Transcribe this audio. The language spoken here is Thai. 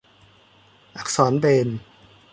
อักษรเบรลล์